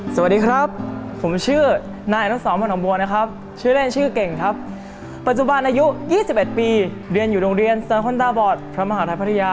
สวัสดีครับผมชื่อนายอนุสรมนหอมบัวนะครับชื่อเล่นชื่อเก่งครับปัจจุบันอายุ๒๑ปีเรียนอยู่โรงเรียนสอคอนตาบอดพระมหาทัยพัทยา